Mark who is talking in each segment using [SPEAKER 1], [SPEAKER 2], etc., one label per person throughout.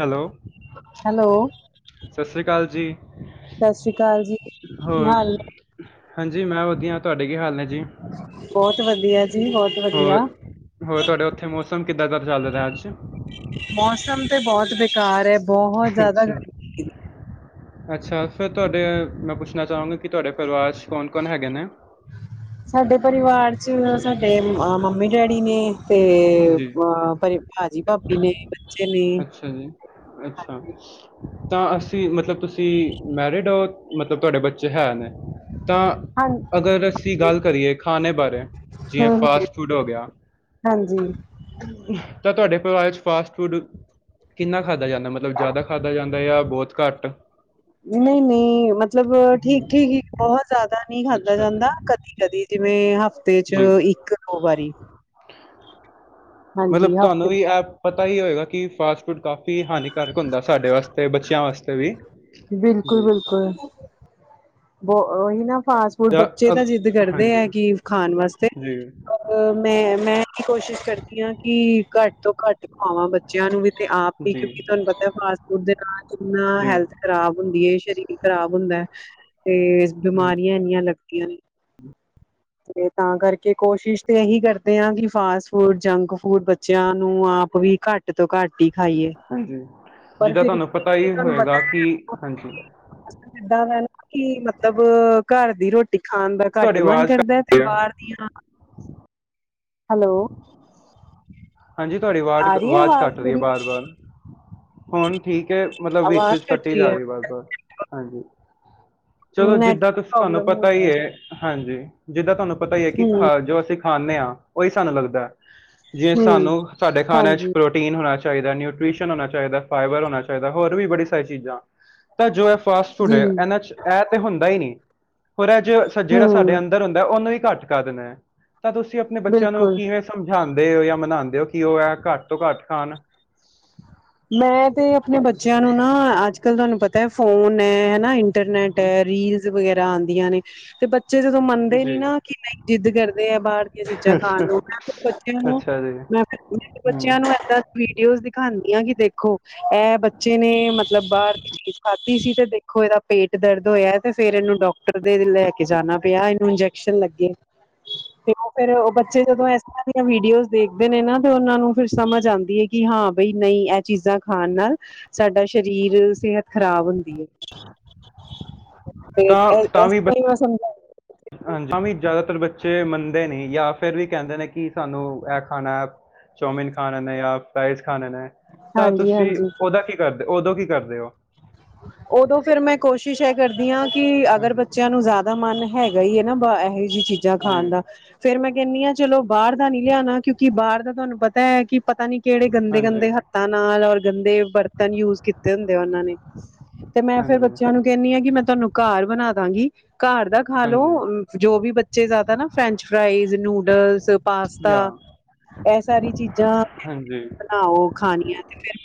[SPEAKER 1] Hello
[SPEAKER 2] hello
[SPEAKER 1] ਸਤਿ ਸ਼੍ਰੀ ਅਕਾਲ ਜੀ
[SPEAKER 2] ਸਤਿ ਸ੍ਰੀ ਅਕਾਲ ਜੀ ਕੀ
[SPEAKER 1] ਹੋਰ
[SPEAKER 2] ਹਾਲ ਨੇ
[SPEAKER 1] ਹਾਂਜੀ ਮੈਂ ਵਧੀਆ ਤੁਹਾਡੇ ਕੀ ਹਾਲ ਨੇ ਜੀ
[SPEAKER 2] ਬਹੁਤ ਵਧੀਆ ਜੀ ਬਹੁਤ ਵਧੀਆ
[SPEAKER 1] ਹੋਰ ਹੋਰ ਤੁਹਾਡਾ ਉੱਥੇ ਮੌਸਮ ਕਿੱਦਾਂ ਦਾ ਚੱਲ ਰਿਹਾ ਅੱਜ
[SPEAKER 2] ਮੌਸਮ ਤੇ ਬਹੁਤ ਬੇਕਾਰ ਹੈ ਬਹੁਤ ਜਿਆਦਾ
[SPEAKER 1] ਅੱਛਾ
[SPEAKER 2] ਗ
[SPEAKER 1] ਅੱਛਾ ਫਿਰ ਤੁਹਾਡੇ ਮੈਂ ਪੁੱਛਣਾ ਚਾਵਾਂਗਾ ਕਿ ਤੁਹਾਡੇ ਪਰਿਵਾਰ 'ਚ ਕੌਣ ਕੌਣ ਹੈਗੇ ਨੇ।
[SPEAKER 2] ਸਾਡੇ ਪਰਿਵਾਰ ਚ ਸਾਡੇ ਮੰਮੀ ਡੈਡੀ ਨੇ, ਤੇ
[SPEAKER 1] ਜੀ
[SPEAKER 2] ਅ ਪਰ ਭਾਜੀ ਭਾਬੀ ਨੇ ਬੱਚੇ ਨੇ
[SPEAKER 1] ਅੱਛਾ ਜੀ ਅੱਛਾ
[SPEAKER 2] ਹਾਂ
[SPEAKER 1] ਤਾਂ ਅਸੀਂ ਮਤਲਬ ਤੁਸੀਂ ਮੈਰਿਡ ਹੋ ਮਤਲਬ ਤੁਹਾਡੇ ਬੱਚੇ ਹੈ ਨੇ ਤਾਂ ਅਗਰ ਅਸੀਂ ਗੱਲ ਕਰੀਏ ਖਾਣੇ ਬਾਰੇ ਜਿਵੇਂ
[SPEAKER 2] ਹਮ
[SPEAKER 1] ਫਾਸਟ ਫੂਡ ਹੋ ਗਿਆ
[SPEAKER 2] ਹਾਂਜੀ
[SPEAKER 1] ਤਾਂ ਤੁਹਾਡੇ ਪਰਿਵਾਰ ਚ ਫਾਸਟ ਫੂਡ ਕਿੰਨਾ ਖਾਧਾ ਜਾਂਦੈ ਮਤਲਬ ਜ਼ਿਆਦਾ ਖਾਧਾ ਜਾਂਦੈ ਯਾ ਬਹੁਤ ਘੱਟ
[SPEAKER 2] ਨਹੀਂ ਨਹੀਂ ਮਤਲਬ ਠੀਕ ਠੀਕ
[SPEAKER 1] ਹੂੰ,
[SPEAKER 2] ਈ ਬਹੁਤ ਜ਼ਿਆਦਾ ਨਹੀਂ ਖਾਦਾ
[SPEAKER 1] ਅੱਛਾ
[SPEAKER 2] ਜਾਂਦਾ ਕਦੀ ਕਦੀ ਜਿਵੇਂ ਹਫ਼ਤੇ ਚ
[SPEAKER 1] ਜੀ
[SPEAKER 2] ਇੱਕ ਦੋ ਵਾਰੀ ਹਾਂਜੀ
[SPEAKER 1] ਮਤਲਬ ਤੁਹਾਨੂੰ ਵੀ
[SPEAKER 2] ਹਫ਼ਤੇ
[SPEAKER 1] ਇਹ ਪਤਾ ਹੀ ਹੋਏਗਾ ਕਿ ਫਾਸਟ ਫੂ ਕਾਫੀ ਹਾਨੀਕਾਰਕ ਹੁੰਦੈ ਸਾਡੇ ਵਾਸਤੇ ਬੱਚਿਆਂ ਵਾਸਤੇ ਵੀ ਜ
[SPEAKER 2] ਕੋਈ ਬ ਉਹੀ ਨਾ ਫਾਸਟ ਫੂਡ ਬੱਚੇ ਤਾਂ ਜਿੱਦ
[SPEAKER 1] ਅਗ-
[SPEAKER 2] ਕਰਦੇ
[SPEAKER 1] ਹਾਂਜੀ
[SPEAKER 2] ਐ ਕਿ ਖਾਣ ਵਾਸਤੇ
[SPEAKER 1] ਜੀ
[SPEAKER 2] ਅ ਮੈਂ ਮੈਂ ਇਹੀ ਕੋਸ਼ਿਸ਼ ਕਰਦੀ ਹਾਂ ਕਿ ਘੱਟ ਤੋਂ ਘੱਟ ਵਾਂ ਬੱਚਿਆਂ ਨੂੰ ਵੀ ਤੇ ਆਪ ਵੀ
[SPEAKER 1] ਜੀ
[SPEAKER 2] ਕਿਉਂਕਿ ਤੁਹਾਨੂੰ ਪਤੈ ਫਾਸਟ ਫੂਡ ਦੇ ਨਾਲ ਕਿੰਨਾ
[SPEAKER 1] ਜੀ
[SPEAKER 2] ਹੈਲਥ ਖ਼ਰਾਬ ਹੁੰਦੀ ਏ ਸਰੀਰ ਖ਼ਰਾਬ ਹੁੰਦੈ ਤੇ
[SPEAKER 1] ਹੂੰ
[SPEAKER 2] ਬਿਮਾਰੀਆਂ ਇੰਨੀਆਂ ਲੱਗਦੀਆਂ ਨੇ
[SPEAKER 1] [unintelligible]
[SPEAKER 2] ਤੇ ਤਾਂ ਕਰਕੇ ਕੋਸ਼ਿਸ਼ ਤੇ ਇਹੀ ਕਰਦੇ ਹਾਂ ਕਿ ਫਾਸਟ ਫੂਡ ਜੰਕ ਫੂਡ ਬੱਚਿਆਂ ਨੂੰ ਆਪ ਵੀ ਘੱਟ ਘੱਟ ਤੋਂ ਘੱਟ ਹੀ ਖਾਈਏ
[SPEAKER 1] ਹਾਂਜੀ
[SPEAKER 2] ਪਰ
[SPEAKER 1] ਜਿੱਦਾਂ
[SPEAKER 2] ਫਿਰ
[SPEAKER 1] ਤੁਹਾਨੂੰ ਪਤਾ ਹੀ ਹੋਏਗਾ ਕਿ ਹਾਂਜੀ
[SPEAKER 2] ੱਦਾਂ ਦਾ ਕਿ ਮਤਲਬ ਘਰ ਦੀ ਰੋਟੀ ਖਾਣ ਦਾ
[SPEAKER 1] ਤੁਹਾਡੀ
[SPEAKER 2] ਘੱਟ ਮਨ
[SPEAKER 1] ਆਵਾਜ਼
[SPEAKER 2] ਕਰਦੈ
[SPEAKER 1] ਘੱਟ
[SPEAKER 2] ਤੇ
[SPEAKER 1] ਰਹੀ ਹੈ
[SPEAKER 2] ਬਾਹਰ ਦੀਆਂ ਹੈਲੋ
[SPEAKER 1] ਹਾਂਜੀ ਤੁਹਾਡੀ ਆਵਾਜ਼
[SPEAKER 2] ਆ ਰਹੀ ਹੈ
[SPEAKER 1] ਆਵਾਜ਼ ਘੱਟ ਰਹੀ ਹੈ
[SPEAKER 2] ਮੇਰੀ
[SPEAKER 1] ਬਾਰ ਬਾਰ ਹੁਣ ਠੀਕ ਹੈ ਮਤਲਬ ਵਿੱਚ
[SPEAKER 2] ਆਵਾਜ਼
[SPEAKER 1] ਵਿਚ
[SPEAKER 2] ਕੱਟ
[SPEAKER 1] ਕੱਟੀ ਜਾ
[SPEAKER 2] ਹੈ
[SPEAKER 1] ਰਹੀ ਬਾਰ ਬਾਰ ਹਾਂਜੀ। ਚਲੋ ਜਿੱਦਾਂ
[SPEAKER 2] ਨੈਟਵਰਕ
[SPEAKER 1] ਤੁਸੀ ਤੁਹਾਨੂੰ
[SPEAKER 2] ਪ੍ਰੋਬਲਮ
[SPEAKER 1] ਪਤਾ ਈ
[SPEAKER 2] ਹੋਣੀ ਹੈ
[SPEAKER 1] ਏ ਹਾਂਜੀ ਜਿੱਦਾਂ ਤੁਹਾਨੂੰ ਪਤੈ ਹੀ ਹੈ ਕਿ
[SPEAKER 2] ਹਮ
[SPEAKER 1] ਖਾ ਜੋ ਅਸੀਂ ਖਾਂਦੇ ਹਾਂ ਉਹੀ ਸਾਨੂੰ ਲੱਗਦੈ।
[SPEAKER 2] ਹਮ
[SPEAKER 1] ਸਾਨੂੰ ਸਾਡੇ ਖਾਣੇ ਚ
[SPEAKER 2] ਹਾਂਜੀ
[SPEAKER 1] ਪ੍ਰੋਟੀਨ ਟੀਨ ਹੋਣਾ ਚਾਹੀਦੈ ਨਿਊਟ੍ਰੀਸ਼ਨ ਹੋਣਾ ਚਾਹੀਦੈ, ਫਾਈਬਰ ਹੋਣਾ ਚਾਹੀਦੈ, ਹੋਰ ਵੀ ਬੜੀ ਸਾਰੀ ਚੀਜ਼ਾਂ ਤਾਂ ਜੋ ਹੈ ਫਾਸਟ ਫੂਡ
[SPEAKER 2] ਜੀ
[SPEAKER 1] ਹੈ। ਐਨਾ ਚ ਇਹ ਤੇ, ਹੁੰਦਾ ਹੀ ਨਹੀਂ। ਹੋਰ ਅੱਜ, ਜਿਹੜਾ
[SPEAKER 2] ਹਮ
[SPEAKER 1] ਸਾਡੇ ਅੰਦਰ ਹੁੰਦਾ। ਉਹਨੂੰ ਵੀ ਘੱਟ ਕਰ ਦੇਣਾ ਹੈ, ਤਾਂ ਤੁਸੀਂ ਆਪਣੇ ਬੱਚਿਆਂ ਨੂੰ
[SPEAKER 2] ਬਿਲਕੁਲ
[SPEAKER 1] ਕਿਵੇਂ। ਸਮਝਾਂਦੇ ਹੋ ਜਾਂ ਮਨਾਂਦੇ ਹੋ ਕਿ ਉਹ ਐ ਘੱਟ ਤੋਂ ਘੱਟ ਖਾਣ।
[SPEAKER 2] ਮੈਂ ਤੇ ਆਪਣੇ ਬੱਚਿਆਂ ਨੂੰ ਨਾ ਅੱਜ ਕੱਲ ਤੁਹਾਨੂੰ ਪਤਾ ਫੋਨ ਹੈ ਹਨਾ ਇੰਟਰਨੈਟ ਹੈ ਰੀਲਸ ਵਗੈਰਾ ਆਂਦੀਆਂ ਨੇ ਤੇ ਬੱਚੇ ਜਦੋਂ ਮੰਨਦੇ ਨੀ
[SPEAKER 1] ਜੀ
[SPEAKER 2] ਨਾ ਕਿ ਨਈ ਜਿੱਦ ਕਰਦੇ ਐ ਬਾਹਰ ਦੀ ਚੀਜ਼ਾਂ ਖਾਣ
[SPEAKER 1] ਅੱਛਾ
[SPEAKER 2] ਨੂੰ ਬੱਚਿਆਂ ਨੂੰ
[SPEAKER 1] ਅੱਛਾ ਜੀ
[SPEAKER 2] ਮੈਂ ਮ
[SPEAKER 1] ਹੂੰ
[SPEAKER 2] ਬੱਚਿਆਂ ਨੂੰ ਏਦਾਂ ਵੀਡੀਓਜ਼ ਦਿਖਾਂਦੀ ਆਂ ਕਿ ਦੇਖੋ ਇਹ ਬੱਚੇ ਨੇ ਮਤਲਬ ਬਾਹਰ ਦੀ ਚੀਜ਼ ਖਾਧੀ ਸੀ ਤੇ ਦੇਖੋ ਇਹਦਾ ਪੇਟ ਦਰਦ ਹੋਇਆ ਤੇ ਫੇਰ ਇਹਨੂੰ ਡਾਕਟਰ ਦੇ ਲੈ ਕੇ ਜਾਣਾ ਪਿਆ ਇਹਨੂੰ ਇੰਜੈਕਸ਼ਨ ਲੱਗੇ ਤੇ ਉਹ ਫੇਰ ਉਹ ਬੱਚੇ ਜਦੋਂ ਇਸ ਤਰ੍ਹਾਂ ਦੀ ਵੀਡੀਓਜ਼ ਦੇਖਦੇ ਨੇ ਨਾ ਤੇ ਉਹਨਾ ਨੂੰ ਫਿਰ ਸਮਝ ਆਂਦੀ ਹੈ। ਕਿ, ਹਾਂ ਬਈ, ਨਹੀਂ। ਚੀਜ਼ਾਂ ਖਾਣ ਨਾਲ, ਸਾਡਾ ਸਰੀਰ, ਸਿਹਤ ਖਰਾਬ ਹੁੰਦੀ ਹੈ।
[SPEAKER 1] [unintelligible]
[SPEAKER 2] ਤੇ,
[SPEAKER 1] ਤਾਂ
[SPEAKER 2] ਇਸ
[SPEAKER 1] ਵੀ
[SPEAKER 2] ਤੋਂ ਹੀ, ਮੈਂ ਸਮਝਾ।
[SPEAKER 1] ਹਾਂਜੀ, ਤਾਂ ਵੀ ਜ਼ਿਆਦਾਤਰ ਬੱਚੇ ਮੰਨਦੇ ਨੀ। ਜਾਂ ਫੇਰ ਵੀ ਕਹਿੰਦੇ ਨੇ, ਕਿ ਸਾਨੂੰ ਇਹ ਖਾਣਾ। ਚੌਮਿਨ ਖਾਣੇ ਨੇ, ਜਾਂ ਫਰਾਈਜ਼ ਖਾਣੇ ਨੇ, ਤਾਂ
[SPEAKER 2] ਹਾਂਜੀ
[SPEAKER 1] ਤੁਸੀਂ,
[SPEAKER 2] ਹਾਂਜੀ
[SPEAKER 1] ਉਹਦਾ ਕੀ, ਕਰਦੇ ਉਦੋਂ ਕੀ ਕਰਦੇ ਹੋ?
[SPEAKER 2] ਉਦੋਂ ਫੇਰ ਮੈਂ, ਕੋਸ਼ਿਸ਼ ਇਹ ਕਰਦੀ ਹਾਂ। ਕਿ ਅਗਰ
[SPEAKER 1] ਹਾਂਜੀ,
[SPEAKER 2] ਬੱਚਿਆਂ ਨੂੰ ਜ਼ਿਆਦਾ ਦਾ ਮਨ, ਹੈਗਾ ਹੀ, ਹੈ ਨਾ। ਇਹੋ ਜਿਹੀ ਚੀਜ਼ਾਂ ਖਾਣ
[SPEAKER 1] ਜੀ,
[SPEAKER 2] ਦਾ। ਫੇਰ ਮੈਂ ਕਹਿੰਦੀ ਹਾਂ, ਚਲੋ ਬਾਹਰ ਦਾ ਨੀ ਲਿਆਉਣਾ। ਕਿਉਂਕਿ ਬਾਹਰ ਦਾ ਤੁਹਾਨੂੰ ਪਤਾ ਹੈ। ਕਿ ਪਤਾ ਨੀ ਕਿਹੜੇ ਗੰਦੇ-
[SPEAKER 1] ਹਾਂਜੀ,
[SPEAKER 2] ਗੰਦੇ, ਹੱਥਾਂ ਨਾਲ, ਔਰ ਗੰਦੇ ਬਰਤਨ ਯੂਜ ਕੀਤੇ ਹੁੰਦੇ ਉਹਨਾਂ ਨੇ। ਤੇ ਮੈਂ ਫੇਰ,
[SPEAKER 1] ਹਾਂਜੀ,
[SPEAKER 2] ਬੱਚਿਆਂ ਨੂੰ ਕਹਿੰਦੀ ਆ। ਕਿ ਮੈਂ ਤੁਹਾਨੂੰ ਘਰ ਬਣਾ ਦਾਂਗੀ। ਘਰ ਦਾ ਖਾ ਲੋ।
[SPEAKER 1] ਹਾਂਜੀ,
[SPEAKER 2] ਜੋ ਵੀ ਬੱਚੇ ਜ਼ਿਆਦਾ ਨਾ, ਫਰੈਂਚ ਫਰਾਾਈਜ਼, ਨੂਡਲਸ,
[SPEAKER 1] ਯਾ
[SPEAKER 2] ਪਾਸਤਾ। ਇਹ, ਸਾਰੀ ਚੀਜ਼ਾਂ।
[SPEAKER 1] ਹਾਂਜੀ,
[SPEAKER 2] ਬਣਾਓ, ਖਾਣੀਆ ਤੇ, ਫੇਰ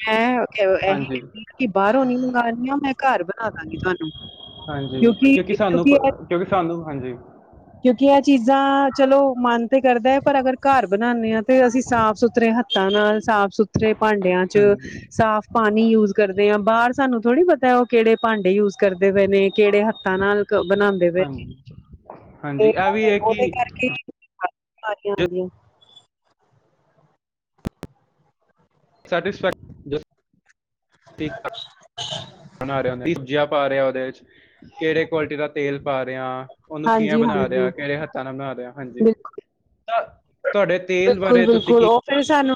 [SPEAKER 1] ਹਾਂਜੀ,
[SPEAKER 2] ਮੈਂ ਕਿ ਬਾਹਰੋਂ ਨੀ ਮੰਗਣੀਆ, ਮੈਂ ਘਰ ਬਣਾ ਦਾਂਗੀ ਤੁਹਾਨੂੰ।
[SPEAKER 1] ਹਾਂਜੀ, ਕਿਉਂਕਿ ਸਾਨੂੰ, ਕਿਉਂਕਿ ਸਾਨੂੰ ਹਾਂਜੀ।
[SPEAKER 2] ਕਿਉਂਕਿ ਇਹ ਚੀਜ਼ਾਂ, ਚਲੋ ਮਨ ਤੇ ਕਰਦਾ ਹੈ। ਪਰ ਅਗਰ ਘਰ ਬਣਾਉਦੇ ਹਾਂ ਤੇ, ਅਸੀਂ ਸਾਫ਼ ਸੁਥਰੇ ਰੇ ਹੱਥਾਂ ਨਾਲ, ਸਾਫ ਸੁਥਰੇ ਭਾਂਡਿਆਂ ਚ,
[SPEAKER 1] ਹਾਂਜੀ,
[SPEAKER 2] ਸਾਫ ਪਾਣੀ ਯੂਸ ਕਰਦੇ ਆਂ। ਬਾਹਰ ਸਾਨੂੰ ਥੋੜੀ ਪਤਾ, ਉਹ ਕਿਹੜੇ ਭਾਂਡੇ ਯੂਜ ਕਰਦੇ ਪਏ ਨੇ, ਕਿਹੜੇ ਹੱਥਾਂ ਨਾਲ, ਬਣਾਉਂਦੇ ਪਏ ਨੇ।
[SPEAKER 1] ਹਾਂਜੀ, ਹਾਂਜੀ
[SPEAKER 2] ਤੇ
[SPEAKER 1] ਇਹ ਵੀ
[SPEAKER 2] ਉਹ,
[SPEAKER 1] ਹੈ ਕਿ
[SPEAKER 2] ਉਹਦੇ ਕਰਕੇ, ਬਿਮਾਰੀਆਂ ਆਉਂਦੀਆਂ ਪਈਆਂ।
[SPEAKER 1] ਸੈਟਿਸਫੈਕਠੀ ਆ [unintelligible] ਬਣਾ ਰਿਹਾ ਹੁੰਦਾ। ਕੀ, ਸਬਜੀਆਂ ਪਾ ਰਿਹਾ ਉਹਦੇ ਚ, ਕਿਹੜੇ ਕੁਆਲਿਟੀ ਦਾ ਤੇਲ ਪਾ ਰਿਹਾ। ਉਹਨੂੰ ਕਿਆਂ
[SPEAKER 2] ਹਾਂਜੀ ਹਾਂਜੀ
[SPEAKER 1] ਬਣਾ ਰਿਆ। ਕਿਹੜੇ ਹੱਥਾਂ ਨਾਲ ਬਣਾ ਦਿਆ ਹਾਂਜੀ।
[SPEAKER 2] ਬਿਲਕੁਲ
[SPEAKER 1] ਤਾਂ ਤੁਹਾਡੇ ਤੇਲ,
[SPEAKER 2] ਬਿਲਕੁਲ
[SPEAKER 1] ਬਾਰੇ ਤੁਸੀਂ
[SPEAKER 2] ਬਿਲਕੁਲ
[SPEAKER 1] ਕੀ
[SPEAKER 2] ਉਹ ਸਾਨੂੰ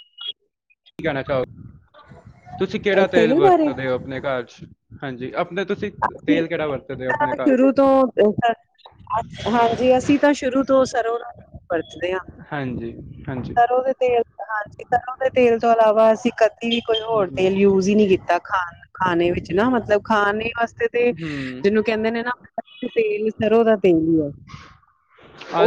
[SPEAKER 1] ਕੀ ਕਹਿਣਾ ਚਾਹੋਗੇ। ਤੁਸੀਂ ਕਿਹੜਾ ਤੇਲ, ਵਰਤਦੇ ਹੋ। ਆਪਣੇ ਘਰ ਚ। ਹਾਂਜੀ। ਆਪਣੇ ਤੁਸੀਂ
[SPEAKER 2] ਅਸੀਂ
[SPEAKER 1] ਤੇਲ ਕਿਹੜਾ ਵਰਤਦੇ ਹੋ ਆਪਣੇ ਘਰ
[SPEAKER 2] ਸ਼ੁਰੂ ਤੋਂ, ਸਰਸੋ ਹਾਂਜੀ। ਅਸੀਂ ਤਾਂ, ਸ਼ੁਰੂ ਤੋਂ ਸਰੋਂ ਵਰਤਦੇ ਹਾਂ।
[SPEAKER 1] ਹਾਂਜੀ ਹਾਂਜੀ
[SPEAKER 2] ਸਰੋਂ ਦੇ ਤੇਲ ਹਾਂਜੀ। ਸਰੋ ਦੇ ਤੇਲ ਤੋਂ, ਇਲਾਵਾ ਅਸੀਂ ਬਿਲਕੁਲ, ਕੋਈ ਹੋਰ ਤੇਲ ਯੂਜ ਹੀ ਨਹੀਂ ਕੀਤਾ। ਖਾ ਖਾਣੇ ਵਿੱਚ ਨਾ, ਮਤਲਬ ਖਾਣੇ ਵਾਸਤੇ ਤੇ,
[SPEAKER 1] ਹੂੰ
[SPEAKER 2] ਜਿਹਨੂੰ ਕਹਿੰਦੇ ਨੇ ਨਾ। ਤੇਲ, ਸਰੋਂ ਦਾ ਤੇਲ ਹੀ।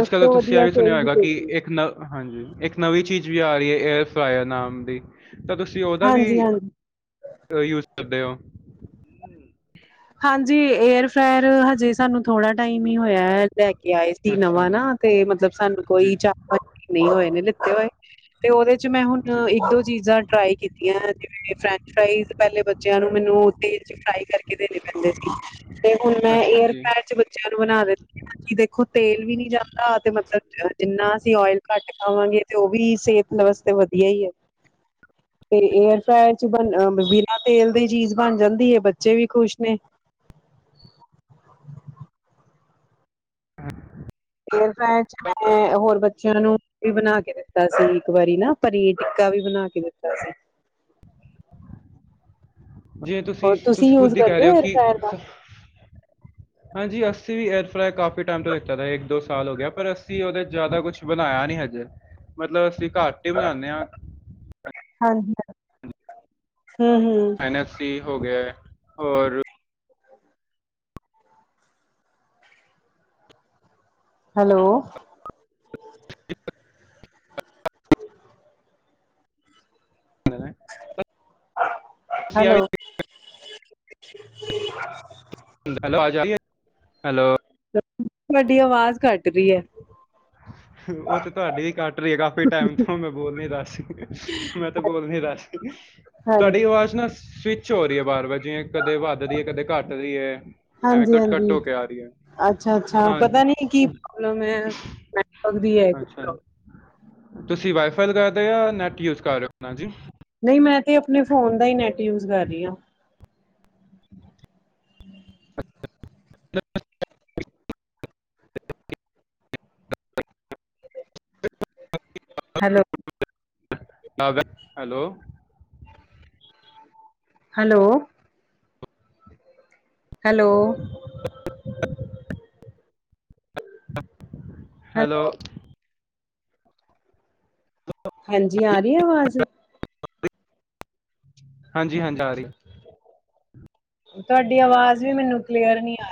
[SPEAKER 2] ਉਸ
[SPEAKER 1] ਕੱਲ ਤਾਂ
[SPEAKER 2] ਤੋਂ
[SPEAKER 1] ਤੁਸੀਂ, ਇਹ
[SPEAKER 2] ਵਧੀਆ
[SPEAKER 1] ਵੀ ਸੁਣਿਆ
[SPEAKER 2] ਕੋਈ
[SPEAKER 1] ਹੋਏਗਾ,
[SPEAKER 2] ਤੇਲ
[SPEAKER 1] ਕਿ
[SPEAKER 2] ਨਹੀਂ।
[SPEAKER 1] ਇੱਕ ਨ ਹਾਂਜੀ। ਇੱਕ ਨਵੀਂ ਚੀਜ਼ ਵੀ ਆ ਰਹੀ ਹੈ। ਏਅਰ ਫਰਾਇਰ ਨਾਮ ਦੀ, ਤਾਂ ਤੁਸੀਂ ਉਹਦਾ ਵੀ
[SPEAKER 2] ਹਾਂਜੀ ਹਾਂਜੀ
[SPEAKER 1] ਦਾ, ਯੂਜ ਕਰਦੇ ਹੋ?
[SPEAKER 2] ਹਾਂਜੀ। ਏਅਰ ਏਅਰ ਫਰਾਆਰ, ਹਜੇ ਸਾਨੂੰ ਥੋੜਾ ਟਾਈਮ ਹੀ, ਹੋਇਆ। ਲ- ਲੈ ਕੇ ਆਏ ਸੀ
[SPEAKER 1] ਅੱਛਾ
[SPEAKER 2] ਨਵਾਂ
[SPEAKER 1] ਜੀ
[SPEAKER 2] ਨਾ ਤੇ ਮਤਲਬ ਸਾਨੂੰ ਕੋਈ
[SPEAKER 1] ਜੀ
[SPEAKER 2] ਚਾਰ-ਪੰਜ ਦਿਨ ਹੋਏ ਨੇ ਲਿੱਤੇ ਹੋਏ। ਤੇ ਉਹਦੇ ਚ ਮੈਂ ਹੁਣ
[SPEAKER 1] ਜੀ
[SPEAKER 2] ਇੱਕ-ਦੋ ਚੀਜ਼ਾਂ ਫਰਾਈ ਕੀਤੀਆਂ ਜਿਵੇਂ ਫਰੈਂਚ ਫਰਾਈਜ਼ ਪਹਿਲੇ ਬੱਚਿਆਂ ਨੂੰ ਮੈਨੂੰ ਤੇਲ ਚ ਫਰਾਈ ਕਰਕੇ ਦੇਣੇ ਕਦੇ ਸੀ ਤੇ ਹੁਣ ਮੈਂ
[SPEAKER 1] ਅੱਛਾ
[SPEAKER 2] ਏਅਰ
[SPEAKER 1] ਜੀ
[SPEAKER 2] ਫਰਾਈ ਚ ਬੱਚਿਆਂ ਨੂੰ ਬਣਾ ਦਿੱਤੀਆਂ। ਦੇਖੋ ਤੇਲ ਵੀ ਨੀ ਜਾਂਦਾ। ਤੇ, ਮਤਲਬ ਜਿੰਨਾ ਅਸੀਂ ਓਇਲ ਘੱਟ ਖਾਵਾਂਗੇ। ਤੇ ਉਹ ਵੀ, ਸਿਹਤ ਵਾਸਤੇ, ਵਧੀਆ ਹੀ ਹੈ।
[SPEAKER 1] [inaudible]
[SPEAKER 2] ਤੇ ਏਅਰ ਫਰਾਣੀ ਚ, ਬ ਬਿਨਾਂ ਤੇਲ ਦੀ, ਚੀਜ਼ ਬਣ ਜਾਂਦੀ ਹੈ। ਬੱਚੇ ਵੀ ਖੁਸ਼ ਮੈ
[SPEAKER 1] ਹਾਂ।
[SPEAKER 2] ਫੇਰ, ਮੈਂ ਹੋਰ ਬੱਚਿਆਂ, ਨੂੰ ਵੀ ਬਣਾ ਕੇ ਦਿੱਤਾ ਸੀ। ਇੱਕ ਵਾਰੀ ਨਾ। ਪਨੀਰ ਟਿੱਕਾ, ਵੀ ਬਣਾ ਕੇ ਦਿੱਤਾ ਸੀ।
[SPEAKER 1] ਜਿਵੇ ਤੁਸੀਂ,
[SPEAKER 2] ਹੋਰ
[SPEAKER 1] ਤੁਸੀਂ
[SPEAKER 2] ਯੂਜ
[SPEAKER 1] ਖੁਦ ਹੀ, ਕਹਿ
[SPEAKER 2] ਕਰਦੇ
[SPEAKER 1] ਰਹੇ ਹੋ
[SPEAKER 2] ਏਅਰ
[SPEAKER 1] ਕਿ
[SPEAKER 2] ਫਰਾਇਰ ਦਾ?
[SPEAKER 1] ਹਾਂਜੀ। ਅਸੀਂ ਵੀ ਏਅਰ ਫਰਾਈ, ਕਾਫੀ ਟਾਈਮ ਤੋਂ ਲਿੱਤਾ ਤਾਂ। ਇੱਕ ਦੋ ਸਾਲ ਹੋ ਗਿਆ। ਪਰ ਅਸੀਂ ਉਹਦੇ ਚ ਜ਼ਿਆਦਾ ਕੁਛ ਬਣਾਇਆ ਨੀ ਹੱਜੇ ਤੱਕ। ਮਤਲਬ ਅਸੀਂ ਘੱਟ ਹੀ ਬਨਾਨੇ ਹਾਂ।
[SPEAKER 2] ਹਾਂਜੀ, ਹੂੰ ਹੂੰ।
[SPEAKER 1] ਐਸੀ ਹੋ ਗਿਆ ਔਰ
[SPEAKER 2] ਹੈਲੋ।
[SPEAKER 1] ਹ।
[SPEAKER 2] ਹੈਲੋ। [unintelligible]
[SPEAKER 1] ਹੈਲੋ ਆਵਾਜ਼ ਆਉਂਦੀ ਹੈ ਹੈਲੋ।
[SPEAKER 2] ਤੁਹਾਡੀ ਆਵਾਜ਼ ਕਟ ਰਹੀ ਹੈ।
[SPEAKER 1] ਉਹ ਤੇ ਤੁਹਾਡੀ ਵੀ ਕੱਟ ਰਹੀ ਹੈ, ਕਾਫੀ ਟਾਈਮ ਤੋਂ ਮੈਂ ਬੋਲ ਨ ਦੱਸ ਮੈਂ ਤੇ ਬੋਲ ਨ ਦਸ
[SPEAKER 2] ਹਾਂਜੀ,
[SPEAKER 1] ਤੁਹਾਡੀ ਆਵਾਜ਼ ਨਾ ਸਵੀ ਸਵਿਚ ਹੋ ਰਹੀ ਹੈ ਬਾਰ-ਵਾਰ ਜਿਵੇਂ ਕਦੇ ਵੱਧਦੀ ਹੈ ਕਦੇ ਘੱਟ ਰਹੀ ਹੈ। ਐਵੇਂ
[SPEAKER 2] ਹਾਂਜੀ-ਹਾਂਜੀ,
[SPEAKER 1] ਕੱਟ-ਕੱਟ ਹੋ ਕੇ ਆ ਰਹੀ ਹੈ
[SPEAKER 2] ਅੱਛਾ-ਅੱਛਾ,
[SPEAKER 1] ਹਾਂ
[SPEAKER 2] ਪਤਾ ਨੀ ਕੀ ਪ੍ਰੋਬਲਮ ਹੈ? ਨੈਟਵਰਕ ਦੀ ਹੈ ਕੋਈ
[SPEAKER 1] ਅੱਛਾ,
[SPEAKER 2] ਪ੍ਰੋਬਲਮ।
[SPEAKER 1] ਤੁਸੀਂ ਵਾਈਫਾਈ ਲਗਾਏਦਾ ਹੋ ਜਾਂ ਨੈਟ ਯੂਜ ਕਰ ਰਹੇ ਹੋ ਅਪਨਾ ਜੀ?
[SPEAKER 2] ਨਹੀਂ, ਮੈਂ ਤੇ ਆਪਣੇ ਫੋਨ ਦਾ ਹੀ ਨੈਟ ਯੂਜ ਕਰ ਰਹੀ ਹਾਂ।
[SPEAKER 1] ਅ। [unintelligible] [unintelligible]
[SPEAKER 2] Hello.
[SPEAKER 1] Hello.
[SPEAKER 2] Hello. Hello.
[SPEAKER 1] Hello.
[SPEAKER 2] ਹਂਜੀ, ਆ ਰਹੀ ਆਵਾਜ਼?
[SPEAKER 1] ਹਾਂਜੀ-ਹਾਂਜੀ।
[SPEAKER 2] ਤੁਹਾਡੀ ਆਵਾਜ਼ ਵੀ ਮੈਨੂੰ ਕਲੀਅਰ ਨੀ ਆ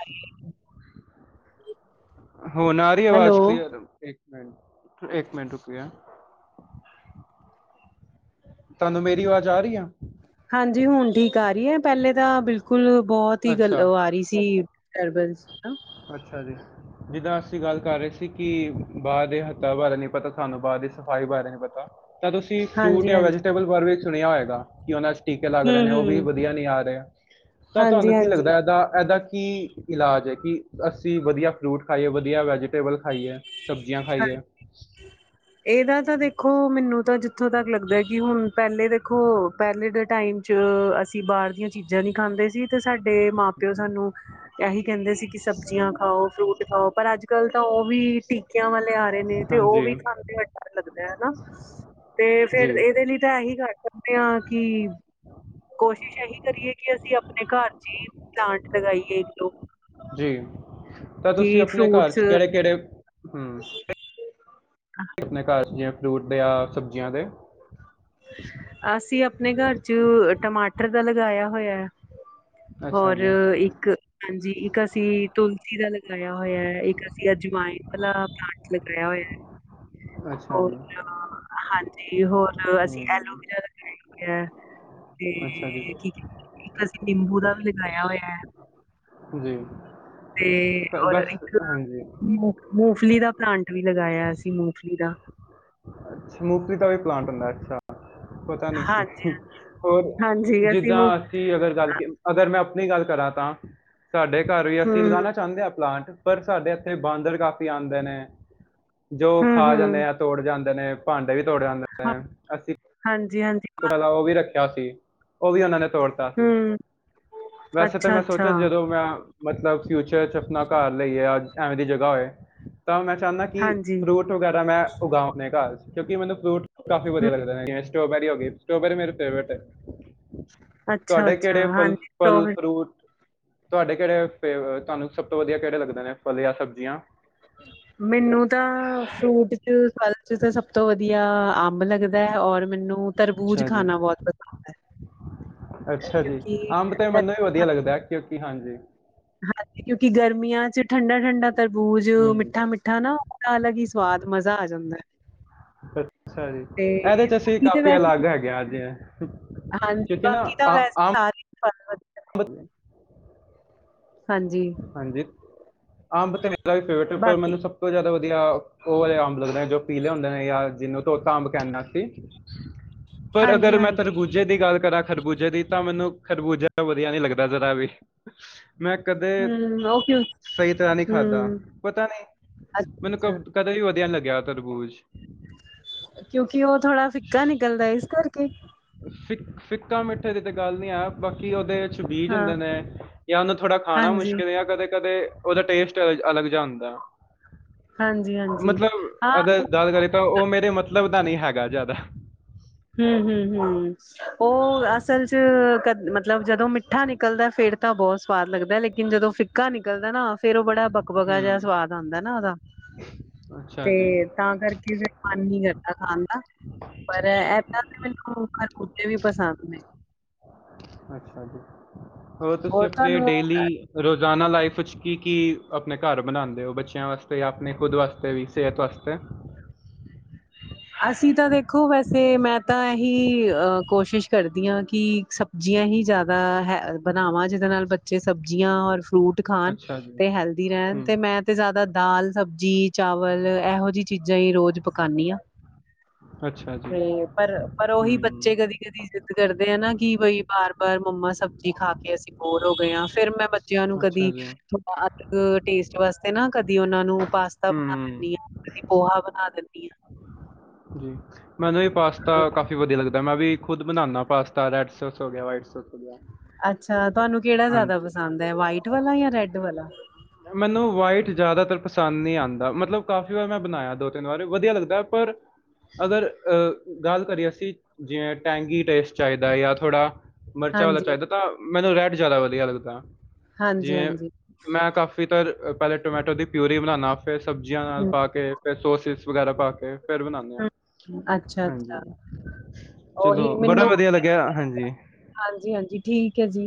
[SPEAKER 1] ਹੁਣ ਆ ਰਹੀ ਆਵਾਜ ਕਲੀਅਰ ਇਕ ਮਿੰਟ-ਇੱਕ ਮਿੰਟ ਰੁਕੀਆ। ਤੁਹਾਨੂੰ ਮੇਰੀ ਆਵਾਜ਼ ਆ ਰਹੀ ਆ?
[SPEAKER 2] ਹਾਂਜੀ, ਹੁਣ ਠੀਕ ਆ ਰਹੀ ਹੈ ਪਹਿਲੇ ਤਾਂ ਬਿਲਕੁਲ ਬਹੁਤ ਹੀ ਗੱਲ
[SPEAKER 1] ਅੱਛਾ
[SPEAKER 2] ਉਹ ਆ ਰਹੀ ਸੀ। ਡਿਸਟਰਬੈਂਸ ਹੈਨਾ।
[SPEAKER 1] ਅੱਛਾ ਜੀ। ਜਿੱਦਾਂ ਅਸੀਂ ਗੱਲ ਕਰ ਰਹੇ ਸੀ ਕਿ ਬਾਹਰ ਦੇ ਹੱਥਾਂ ਬਾਰੇ ਨਹੀਂ ਪਤਾ ਸਾਨੂੰ ਬਾਹਰ ਦੀ ਸਫ਼ਾਈ ਬਾਰੇ ਨਹੀਂ ਪਤਾ। ਤਾਂ ਤੁਸੀਂ ਫਰੂਟ
[SPEAKER 2] ਹਾਂਜੀ
[SPEAKER 1] ਜਾਂ
[SPEAKER 2] ਹਾਂਜੀ
[SPEAKER 1] ਵੈਜੀਟੇਬਲ ਬਾਰੇ ਵੀ ਸੁਣਿਆ ਹੋਏਗਾ ਕਿ ਉਹਨਾਂ ਚ ਟੀਕੇ ਲੱਗ ਰਹੇ ਨੇ
[SPEAKER 2] ਹਮ
[SPEAKER 1] ਉਹ ਵੀ
[SPEAKER 2] ਹਮ
[SPEAKER 1] ਵਧਿਆ ਨਹੀਂ ਆ ਰਿਹਾ ਤਾਂ
[SPEAKER 2] ਹਾਂਜੀ
[SPEAKER 1] ਤੁਹਾਨੂੰ ਕੀ
[SPEAKER 2] ਹਾਂਜੀ
[SPEAKER 1] ਲੱਗਦਾ ਇਹਦ- ਇਹਦਾ ਕੀ ਇਲਾਜ ਹੈ ਕਿ ਅਸੀਂ ਵਧੀਆ ਫਰੂਟ ਖਾਈਏ ਵਧੀਆ ਵੈਜੀਟੇਬਲ ਖਾਈਏ ਸਬਜ਼ੀਆਂ ਖਾਈਏ।
[SPEAKER 2] ਇਹਦਾ ਤਾਂ ਦੇਖੋ ਮੈਨੂੰ ਤਾਂ ਜਿੱਥੋਂ ਤੱਕ ਲੱਗਦਾ ਕਿ ਹੁਣ ਪਹਿਲੇ ਦੇਖੋ ਪਹਿਲੇ ਦੇ ਟਾਈਮ ਚ ਅਸੀਂ ਬਾਹਰ ਦੀਆਂ ਚੀਜ਼ਾਂ ਨਹੀਂ ਖਾਂਦੇ ਸੀ ਤੇ ਸਾਡੇ ਮਾਂ-ਪਿਓ ਸਾਨੂੰ। ਇਹੀ ਕਹਿੰਦੇ ਸੀ ਕਿ ਸਬਜ਼ੀਆਂ ਖਾਓ, ਫਰੂਟ ਖਾਓ ਪਰ ਅੱਜ-ਕੱਲ ਤਾਂ ਉਹ ਵੀ ਟੀਕਿਆਂ ਵਾਲੇ ਆ ਨੀ ਤੇ ਉਹ
[SPEAKER 1] ਹਾਂਜੀ
[SPEAKER 2] ਵੀ ਖਾਂਦੇ ਹੋਏ ਡਰ ਲੱਗਦਾ ਹੈਨਾ ਤੇ
[SPEAKER 1] ਜੀ
[SPEAKER 2] ਫੇਰ ਇਹਦੇ ਲਈ ਤਾਂ ਇਹੀ ਘੱਟ ਕਿਹਾ ਕਿ ਕੋਸ਼ਿਸ਼ ਇਹੀ ਕਰੀਏ ਕਿ ਅਸੀਂ ਆਪਣੇ ਘਰ ਚ ਹੀ ਪਲਾਂਟ ਲਗਾਈਏ ਇੱਕ ਦੋ
[SPEAKER 1] ਜੀ, ਤਾਂ ਤੁਸੀਂ ਆਪਣੇ ਘਰ
[SPEAKER 2] ਫਰੂਟਸ
[SPEAKER 1] 'ਚ ਕਿਹੜੇ-ਕਿਹੜੇ ਹੂੰ? ਆਪਣੇ ਘਰ ਜਿਵੇਂ ਫਰੂਟ ਦੇ ਜਾਂ ਸਬਜ਼ੀਆਂ ਦੇ।
[SPEAKER 2] ਅਸੀਂ ਆਪਣੇ ਘਰ ਚ ਟਮਾਟਰ ਦਾ ਲਗਾਇਆ ਹੋਇਆ ਹੈ।
[SPEAKER 1] ਅੱਛਾ
[SPEAKER 2] ਹੋਰ
[SPEAKER 1] ਜੀ
[SPEAKER 2] ਇੱਕ ਹਾਂਜੀ, ਇੱਕ ਅਸੀਂ ਤੁਲਸੀ ਦਾ ਲਗਾਇਆ ਹੋਇਆ ਇੱਕ ਅਸੀਂ ਅਜਵਾਇਨ ਵਾਲਾ ਪਲਾਂਟ ਲਗਾਇਆ ਹੋਇਆ।
[SPEAKER 1] ਅੱਛਾ ਜੀ।
[SPEAKER 2] ਤੇ ਹੋਰ ਅਸੀਂ
[SPEAKER 1] ਹੂੰ
[SPEAKER 2] ਐਲੋਵਰਾ ਲਗਾਈ ਐ
[SPEAKER 1] ਅੱਛਾ ਜੀ
[SPEAKER 2] ਤੇ ਕੀ ਇੱਕ ਅਸੀਂ ਨਿੰਬੂ ਦਾ ਵੀ ਲਗਾਇਆ ਹੋਇਆ ਹੈ।
[SPEAKER 1] ਜੀ।
[SPEAKER 2] ਤੇ
[SPEAKER 1] ਕ-
[SPEAKER 2] ਔਰ
[SPEAKER 1] ਬਸ
[SPEAKER 2] ਇੱਕ
[SPEAKER 1] ਹਾਂਜੀ
[SPEAKER 2] ਮੂੰਗਫਲੀ ਦਾ ਪਲਾਂਟ ਵੀ ਲਗਾਇਆ ਅ ਸੀ ਮੂੰਗਫਲੀ ਦਾ
[SPEAKER 1] ਅੱਛ ਮੂਗਫ਼ਲੀ ਦਾ ਵੀ ਪਲਾਂਟ ਹੁੰਦਾ ਅੱਛਾ ਪਤਾ ਨਹੀਂ ਸੀ
[SPEAKER 2] ਹਾਂਜੀ
[SPEAKER 1] ਹੋਰ
[SPEAKER 2] ਹਾਂਜੀ ਅਸੀਂ
[SPEAKER 1] ਜਿੱਦਾਂ
[SPEAKER 2] ਮੂੰ
[SPEAKER 1] ਅ ਅਗਰ ਗੱਲ ਅਗਰ ਮੈਂ ਆਪਣੀ ਗੱਲ ਕਰਾਂ ਤਾਂ ਸਾਡੇ ਘਰ ਵੀ ਅਸੀਂ
[SPEAKER 2] ਹੂੰ,
[SPEAKER 1] ਲਗਾਉਣਾ ਚਾਹੁੰਦੇ ਹਾਂ ਪਲਾਂਟ ਪਰ ਸਾਡੇ ਇੱਥੇ ਬਾਂਦਰ ਕਾਫੀ ਆਉਂਦੇ ਨੇ ਜੋ
[SPEAKER 2] ਹੂੰ,
[SPEAKER 1] ਖਾ ਜਾਂਦੇ
[SPEAKER 2] ਹੂੰ,
[SPEAKER 1] ਆ ਤੋੜ ਜਾਂਦੇ ਨੇ ਭਾਂਡਾ ਵੀ ਤੋੜ ਜਾਂਦਾ
[SPEAKER 2] ਹਾਂ,
[SPEAKER 1] ਹੈ ਅਸੀਂ
[SPEAKER 2] ਹਾਂਜੀ ਹਾਂਜੀ
[SPEAKER 1] [unintelligible] ਪਤਾ ਉਹ ਵੀ ਰੱਖਿਆ ਸੀ ਉਹ ਵੀ ਉਹਨਾਂ ਨੇ ਤੋੜ ਸੀ
[SPEAKER 2] ਹੂੰ,
[SPEAKER 1] ਵੈਸੇ ਤਾਂ
[SPEAKER 2] ਅੱਛਾ,
[SPEAKER 1] ਮੈਂ
[SPEAKER 2] ਅੱਛਾ,
[SPEAKER 1] ਸੋਚਿਆ ਜਦੋਂ ਮੈਂ ਮਤਲਬ ਫਿਊਚਰ ਚ ਆਪਣਾ ਘਰ ਲਏ ਐਵੇ ਦੀ ਜਗ੍ਹਾ ਹੋਏ ਤਾਂ ਮੈਂ ਚਾਹੁੰਦਾ ਕਿ
[SPEAKER 2] ਹਾਂਜੀ,
[SPEAKER 1] ਫਰੂਟ ਵਗੈਰਾ ਮੈਂ ਉਗਾਉਂ ਆਪਣੇ ਘਰ ਕਉਂਕਿ ਮੈਨੂੰ ਫਰੂਟ ਕਾਫੀ
[SPEAKER 2] ਹੂੰ,
[SPEAKER 1] ਵਧੀਆ ਲੱਗਦਾ ਜਿਵੇਂ ਸਟੋਬੈਰੀ ਹੋ ਗਈ ਸਟ੍ਰਾਬੇਰੀ ਮੇਰੀ ਫੇਵਰਟ ਹੈ
[SPEAKER 2] ਅੱਛਾ,
[SPEAKER 1] ਤੁਹਾਡੇ
[SPEAKER 2] ਅੱਛਾ,
[SPEAKER 1] ਕਿਹੜੇ ਫਲ
[SPEAKER 2] ਹਾਂਜੀ
[SPEAKER 1] ਫਲ
[SPEAKER 2] ਸਟ੍ਰਾਬੇਰੀ
[SPEAKER 1] ਫਰੂਟ ਤੁਹਾਡੇ ਕਿਹੜੇ ਫੇਵ ਤੁਹਾਨੂੰ ਸਭ ਤੋਂ ਵਧੀਆ ਕਿਹੜੇ ਲੱਗਦੇ ਨੇ ਫਲ ਜਾਂ ਸਬਜ਼ੀਆਂ
[SPEAKER 2] ਮੈਨੂੰ ਤਾਂ ਫਰੂਟ ਚ ਫਲ ਚ ਤਾਂ ਸਭ ਤੋਂ ਵਧੀਆ ਅੰਬ ਲੱਗਦਾ ਹੈ ਔਰ ਮੈਨੂੰ ਤਰਬੂਜ
[SPEAKER 1] ਅੱਛਾ ਜੀ
[SPEAKER 2] ਖਾਣਾ ਬਹੁਤ ਪਸੰਦ ਹੈ
[SPEAKER 1] ਅੱਛਾ ਜੀ
[SPEAKER 2] ਕਿਉਂਕਿ
[SPEAKER 1] ਅੰਬ ਤੇ ਮੈਨੂੰ ਹੀ
[SPEAKER 2] ਗਰਮੀ
[SPEAKER 1] ਵਧੀਆ ਲੱਗਦਾ ਕਿਉਂਕਿ ਹਾਂਜੀ
[SPEAKER 2] ਹਾਂਜੀ ਕਿਉਂਕਿ ਗਰਮੀਆਂ ਚ ਠੰਡਾ ਠੰਡਾ ਤਰਬੂਜ
[SPEAKER 1] ਹੂੰ
[SPEAKER 2] ਮਿੱਠਾ ਮਿੱਠਾ ਨਾ ਅਲੱਗ ਹੀ ਸਵਾਦ ਮਜ਼ਾ ਆ ਜਾਂਦਾ ਹੈ
[SPEAKER 1] ਅੱਛਾ ਜੀ
[SPEAKER 2] ਤੇ
[SPEAKER 1] ਇਹਦੇ ਚ ਅਸੀਂ
[SPEAKER 2] ਬਾਕੀ ਤੇ
[SPEAKER 1] ਕਾਫੀ
[SPEAKER 2] ਵੈਸੇ
[SPEAKER 1] ਅਲੱਗ ਹੈਗੇ ਹਾਂ ਜੀ ਹ
[SPEAKER 2] ਹਾਂਜੀ
[SPEAKER 1] ਕਿਉਂਕਿ ਨਾ
[SPEAKER 2] ਬਾਕੀ ਤਾਂ
[SPEAKER 1] ਆ
[SPEAKER 2] ਵੈਸੇ
[SPEAKER 1] ਆਮ
[SPEAKER 2] [unintelligible]
[SPEAKER 1] ਬਦ
[SPEAKER 2] ਹਾਂਜੀ
[SPEAKER 1] ਹਾਂਜੀ ਅੰਬ ਤੇ ਮੇਰਾ ਵੀ ਫੇਵਰੇਟ ਪਰ
[SPEAKER 2] ਬਾਕੀ
[SPEAKER 1] ਮੈਨੂੰ ਸਭ ਸਭ ਤੋਂ ਜ਼ਿਆਦਾ ਵਧੀਆ ਉਹ ਵਾਲੇ ਅੰਬ ਲੱਗਦੇ ਨੇ ਜੋ ਪੀਲੇ ਹੁੰਦੇ ਨੇ ਜਾਂ ਜਿਨੂੰ ਤੋਤਾ ਅੰਬ ਕਹਿੰਦਾ ਸੀ ਪਰ
[SPEAKER 2] ਹਾਂਜੀ,
[SPEAKER 1] ਅਗਰ ਮੈਂ
[SPEAKER 2] ਹਾਂਜੀ।
[SPEAKER 1] ਤਰਬੂਜੇ ਦੀ ਗੱਲ ਕਰਾਂ ਖਰਬੂਜੇ ਦੀ ਤਾਂ ਮੈਨੂੰ ਖਰਬੂਜਾ ਵਧੀਆ ਨੀ ਲੱਗਦਾ ਜਰਾ ਵੀ ਮੈਂ ਕਦੇ
[SPEAKER 2] ਹੂੰ, ਉਹ ਕਿਉਂ
[SPEAKER 1] ਸਹੀ ਤਰ੍ਹਾਂ ਨਹੀਂੀ ਖਾਧਾ
[SPEAKER 2] ਹੂੰ,
[SPEAKER 1] ਪਤਾ ਨਹੀਂ ਮੈਨੂੰ ਕ
[SPEAKER 2] ਅੱਛਾ-ਅੱਛਾ,
[SPEAKER 1] ਕਦੇ ਵੀ ਵਧੀਆ ਨੀ ਲੱਗਿਆ ਤਰਬੂਜ
[SPEAKER 2] ਕਿਉਂਕਿ ਉਹ ਥੋੜਾ ਫਿੱਕਾ ਨਿਕਲਦਾ ਇਸ ਕਰਕੇ
[SPEAKER 1] ਫਿੱ ਫਿੱਕਾ ਮਿੱਠੇ ਦੀ ਤੇ ਗੱਲ ਨੀ ਆ ਬਾਕੀ ਉਹਦੇ ਬੀਜ
[SPEAKER 2] ਹਾਂ,
[SPEAKER 1] ਹੁੰਦੇ ਨੇ ਜਾਂ ਉਹਨੂੰ ਥੋੜ੍ਹਾ ਖਾਣਾ
[SPEAKER 2] ਹਾਂਜੀ,
[SPEAKER 1] ਮੁਸ਼ਕਿਲ ਕਦੇ ਕਦੇ ਉਹਦਾ ਟੇਸਟ ਅ ਅਲੱਗ ਜਾ ਹੁੰਦਾ
[SPEAKER 2] ਹਾਂਜੀ-ਹਾਂਜੀ।
[SPEAKER 1] ਮਤਲਬ
[SPEAKER 2] ਹਾਂ,
[SPEAKER 1] ਅਗਰ ਗੱਲ ਕਰੀਏ ਤਾਂ ਉਹ ਮੇਰੇ ਮਤਲਬ ਦਾ ਨਹੀਂੀ ਹੈਗਾ ਜ਼ਿਆਦਾ।
[SPEAKER 2] [unintelligible] ਉਹ ਅਸਲ ਚ ਕ ਮਤਲਬ ਜਦੋਂ ਮਿੱਠਾ ਨਿਕਲਦਾ ਫੇਿਰ ਤਾਂ ਬਹੁਤ ਸਵਾਦ ਲੱਗਦਾ ਲੇਕਿਨ ਜਦੋਂ ਫ ਕਾ ਨਿਕਲਦਾ ਨਾ ਫੇਰ ਉਹ ਬੜਾ ਬਕਬਗਾ ਜਿਹਾ
[SPEAKER 1] ਹੂੰ
[SPEAKER 2] ਸਵਾਦ ਆਉਂਦਾ ਨਾ ਉਹਦਾ
[SPEAKER 1] ਅੱਛਾ ਜੀ
[SPEAKER 2] ਤੇ, ਤਾਂ ਕਰਕੇ ਫਿਰ ਮਨ ਨਹੀਂ ਕਰਦਾ ਖਾਣ ਦਾ।
[SPEAKER 1] ਹ
[SPEAKER 2] [unintelligible] ਪਸੰਦ ਨੇ।
[SPEAKER 1] ਅੱਛਾ ਜੀ, ਹੋਰ ਤੁਸੀਂ ਆਪਣੇ ਡੇਲੀ ਰੋਜ਼ਾਨਾ ਲਾਈਫ ਵਿੱਚ ਕੀ ਕੀ ਆਪਣੇ ਘਰ ਬਣਾਉਦੇ ਹੋ ਬੱਚਿਆਂ ਵਾਸਤੇ ਜਾਂ ਆਪਣੇ ਖੁਦ ਵਾਸਤੇ ਵੀ ਸਿਹਤ ਵਾਸਤੇ
[SPEAKER 2] ਅਸੀਂ ਤਾਂ ਦੇਖੋ ਵੈਸੇ ਮੈਂ ਤਾਂ ਇਹੀ ਅ ਕੋਸ਼ਿਸ਼ ਕਰਦੀ ਹਾਂ ਕਿ ਸ ਸਬਜ਼ੀਆਂ ਹੀ ਜ਼ਿਆਦਾ ਹੈ ਬਣਾਵਾਂ ਜਿਹਦੇ ਨਾਲ ਬੱਚੇ ਸਬਜ਼ੀਆਂ ਔਰ ਫਰੂਟ ਦੀਖਾਣ
[SPEAKER 1] ਅੱਛਾ ਜੀ
[SPEAKER 2] ਤੇ ਹੈਲਦੀ ਰਹਿਣ
[SPEAKER 1] ਹੂੰ
[SPEAKER 2] ਤੇ ਮੈਂ ਅਤੇ ਜ਼ਿਆਦਾ ਦਾਲ ਸਬਜ਼ੀ ਚਾਵਲ ਇਹੋ ਜਿਹੀ ਚੀਜ਼ਾਂ ਹੀ ਰੋਜ਼ ਪਕਾਉਂਦੀ ਹਾਂ
[SPEAKER 1] ਅੱਛਾ ਜੀ
[SPEAKER 2] ਹ ਪਰ ਪਰ ਉਹੀ ਬੱਚੇ
[SPEAKER 1] ਹੂੰ,
[SPEAKER 2] ਕਦੀ ਕਦੀਜ਼ੀਦ ਕਰਦੇ ਆ ਨਾ ਕਿ ਬਈ ਬਾਰ ਬਾਰ ਮੰਮਾ ਸਬਜ਼ੀ ਖਾ ਕੇ ਅਸੀਂ ਬੋਰ ਹੋ ਗਏ ਹਾਂ ਫੇਿਰ ਮੈਂ ਬੱਚਿਆਂ ਨੂੰ
[SPEAKER 1] ਅੱਛਾ
[SPEAKER 2] ਕਦੀ
[SPEAKER 1] ਜੀ,
[SPEAKER 2] ਥੋੜਾ ਅਲੱਗ ਟੇਸਟ ਵਾਸਤੇ ਨਾ ਕਦੀ ਉਹਨਾਂ ਨੂੰ ਪਾਸਤਾ ਬਣਾ ਦਿੰਦੀ
[SPEAKER 1] ਹੂੰ,
[SPEAKER 2] ਆ ਕਦੀ ਪੋਹਾ ਬਣਾ ਦਿੰਦੀ ਹਾਂ
[SPEAKER 1] ਜੀ ਮੈਨੂੰ ਇਹ ਪਾਸਤਾ
[SPEAKER 2] ਹਾਂ
[SPEAKER 1] ਕਾਫੀ ਵਧੀਆ ਲੱਗਦਾ ਮੈਂ ਵੀ ਖੁਦ ਬਨਾਨਾ ਪਾਸਤਾ ਰੈਡ ਸੋਸ ਵਗੈਰਾ ਵਾਈਟ ਸੋਸ ਹੋ ਗਿਆ।
[SPEAKER 2] ਅੱਛਾ ਤੁਹਾਨੂੰ ਕਿਹੜਾ ਜਾਦਾ
[SPEAKER 1] ਹਾਂਜੀ,
[SPEAKER 2] ਪਸੰਦ ਹੈ ਵਾਈਟ ਵਾਲਾ ਯਾ ਰੈਡ ਵਾਲਾ।
[SPEAKER 1] ਮੈਨੂੰ ਵਾਈਟ ਜ਼ਿਆਦਾਤਰ ਪਸੰਦ ਨਹੀਂ ਆਦਾ ਮਤਲਬ ਕਾਫ਼ੀ ਵਾਰ ਮੈਂ ਬਣਾਇਆ ਦੋ ਤਿੰਨ ਵਾਰ ਵਧੀਆ ਲੱਗਦਾ ਪਰ ਅਗਰ ਗੱਲ ਕਰੀਏ ਅਸੀ ਜਿਵੇਂ ਟੈਂਗੀ ਟੇਸਟ ਚਾਈ ਦਾ ਜਾਂ ਥੋੜਾ ਮਿਰਚਾਂ ਵਾਲਾ
[SPEAKER 2] ਹਾਂਜੀ
[SPEAKER 1] ਚਾਹੀਦਾ ਤਾਂ ਮੈਨੂੰ ਰੈਡ ਜਾਦਾ ਵਧੀਆ ਲੱਗਦਾ
[SPEAKER 2] ਹਾਂਜੀ
[SPEAKER 1] ਜਿਵੇਂ
[SPEAKER 2] ਹਾਂਜੀ
[SPEAKER 1] ਮੈਂ ਕਾਫੀ ਫੀਤਰ ਪਹਿਲੇ ਟੋਮੈਟੋ ਦੀ ਪਿਊਰੀ ਬਣਾਨਾ। ਫੇਰ ਸਬਜ਼ੀਆਂ ਨਾਲ
[SPEAKER 2] ਹੂੰ
[SPEAKER 1] ਪਾ ਕੇ ਫੇਰ ਸੋਸਿਸ ਵਗੈਰਾ ਪਾ ਕੇ ਫੇਰ ਬਣਾਨੇ ਹਾਂ।
[SPEAKER 2] ਅੱਛਾ
[SPEAKER 1] ਹਾਂਜੀ
[SPEAKER 2] ਅੱਛਾ
[SPEAKER 1] ਚਲੋ ਬੜਾ ਵਧੀਆ ਲੱਗਿਆ ਹਾਂਜੀ।
[SPEAKER 2] ਹਾਂਜੀ-ਹਾਂਜੀ ਠੀਕ ਹੈ ਜੀ।